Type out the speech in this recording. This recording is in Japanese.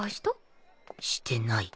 してない